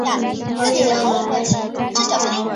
中国大陆则有小霸王游戏机等机种。